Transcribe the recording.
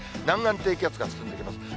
南岸低気圧が進んできます。